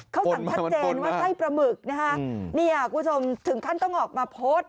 เขาสั่งชัดเจนว่าไส้ปลาหมึกนะฮะนี่คุณผู้ชมถึงขั้นต้องออกมาโพสต์